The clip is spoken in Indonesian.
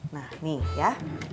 nah nih ya